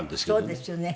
そうですよね。